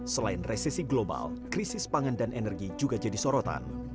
selain resiko global biodipende dan energi juga jadi sorotan